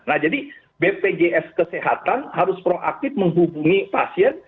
nah jadi bpjs kesehatan harus proaktif menghubungi pasien